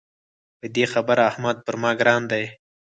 په دې خبره احمد پر ما ګران دی.